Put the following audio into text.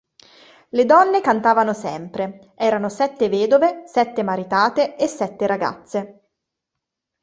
Le donne cantavano sempre: erano sette vedove, sette maritate e sette ragazze.